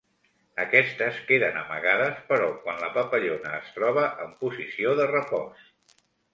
Aquestes queden amagades però quan la papallona es troba en posició de repòs.